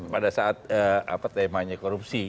pada saat apa temanya korupsi